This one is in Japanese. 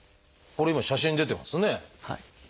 これ今写真出てますね。